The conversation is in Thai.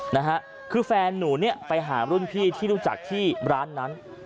นะฮะคือแฟนหนูเนี่ยไปหารุ่นพี่ที่รู้จักที่ร้านนั้น